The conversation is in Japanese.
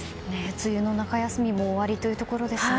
梅雨の中休みも終わりということですね。